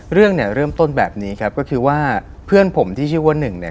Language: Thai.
เรื่องเนี่ยเริ่มต้นแบบนี้ครับก็คือว่าเพื่อนผมที่ชื่อว่าหนึ่งเนี่ย